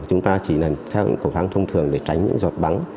chúng ta chỉ theo khẩu trang thông thường để tránh những giọt bắn